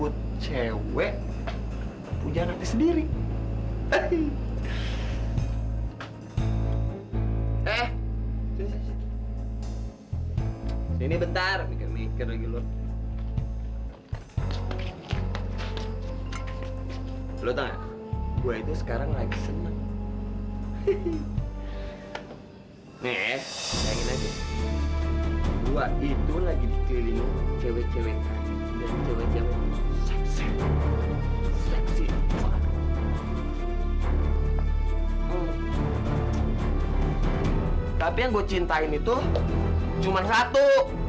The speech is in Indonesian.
tapi yang gue cintain itu cuma satu